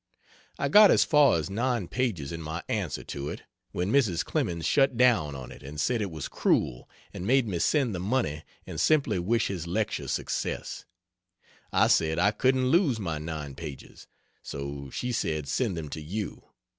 I got as far as 9 pages in my answer to it, when Mrs. Clemens shut down on it, and said it was cruel, and made me send the money and simply wish his lecture success. I said I couldn't lose my 9 pages so she said send them to you.